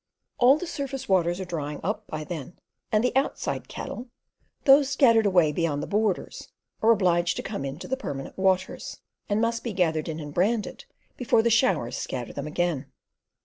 All the surface waters are drying up by then, and the outside cattle—those scattered away beyond the borders—are obliged to come in to the permanent waters, and must be gathered in and branded before the showers scatter them again.